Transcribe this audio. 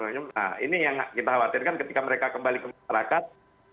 nah ini yang kita khawatirkan ketika mereka kembali ke masyarakat